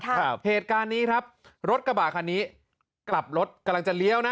เหตุการณ์นี้ครับรถกระบะคันนี้กลับรถกำลังจะเลี้ยวนะ